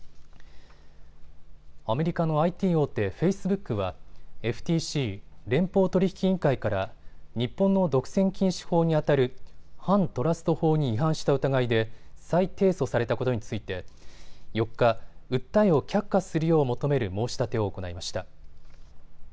アメリカのＩＴ大手、フェイスブックはＦＴＣ・連邦取引委員会から日本の独占禁止法にあたる反トラスト法に違反した疑いで再提訴されたことについて４日、訴えを却下するよう求める申し立てを行いました。